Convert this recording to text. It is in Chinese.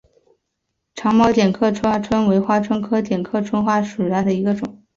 长毛点刻花蝽为花蝽科点刻花椿属下的一个种。